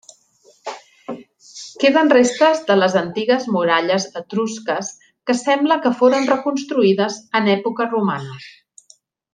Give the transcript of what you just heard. Queden restes de les antigues muralles etrusques que sembla que foren reconstruïdes en època romana.